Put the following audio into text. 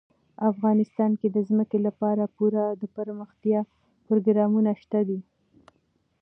افغانستان کې د ځمکه لپاره پوره دپرمختیا پروګرامونه شته دي.